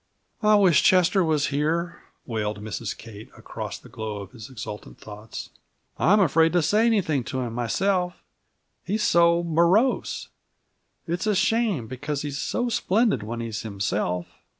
"I wish Chester was here!" wailed Mrs. Kate, across the glow of his exultant thoughts. "I'm afraid to say anything to him myself, he's so morose. It's a shame, because he's so splendid when he's himself."